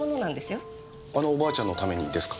あのおばあちゃんのためにですか？